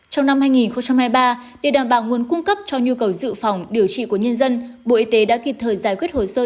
trong năm hai nghìn hai mươi ba để đảm bảo nguồn cung cấp cho nhu cầu dự phòng điều trị của nhân dân bộ y tế đã kịp thời giải quyết hồ sơ